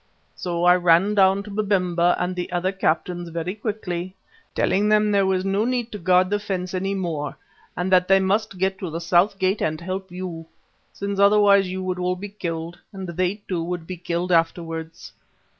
So I ran down to Babemba and the other captains very quickly, telling them there was no need to guard the fence any more, and that they must get to the south gate and help you, since otherwise you would all be killed, and they, too, would be killed afterwards.